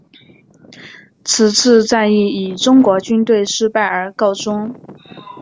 此次战役以中国军队失败而告终。